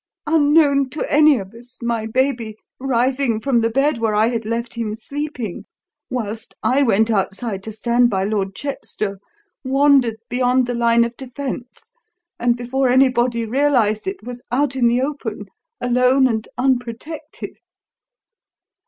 Unknown to any of us, my baby, rising from the bed where I had left him sleeping, whilst I went outside to stand by Lord Chepstow, wandered beyond the line of defence, and, before anybody realised it, was out in the open, alone and unprotected.